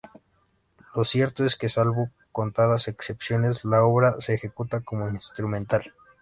Lo cierto es que, salvo contadas excepciones, la obra se ejecuta como instrumental.